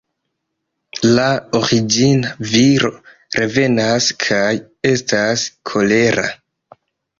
La origina viro revenas kaj estas kolera.